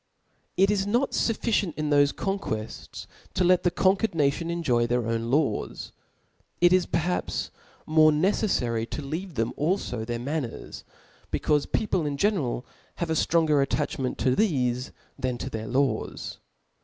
T is not fufBcient iii thofc conquefts to let the book conquered nation enjoy their own laws ; it is x. IS* I perhaps more neceflary to leave them alfo their ^nd manners, becaufe people m general have a ftronger attachment to thefe, than to their laws.